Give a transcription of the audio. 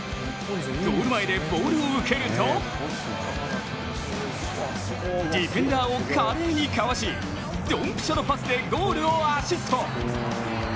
ゴール前でボールを受けるとディフェンダーを華麗にかわし、ドンピシャのパスでゴールをアシスト！